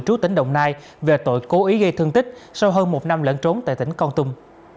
trú tỉnh đồng nai về tội cố ý gây thương tích sau hơn một năm lẫn trốn tại tỉnh con tum